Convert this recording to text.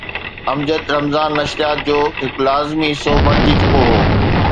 امجد رمضان نشريات جو هڪ لازمي حصو بڻجي چڪو هو.